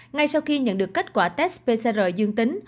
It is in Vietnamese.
ngay sau khi nhận được kết quả test pcr dương tính